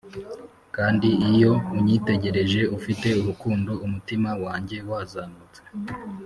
kandi iyo unyitegereje ufite urukundo, umutima wanjye wazamutse.